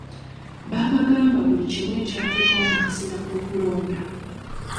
Baabagamba buli kimu ekyatuukawo mu kaseera k'okulonda.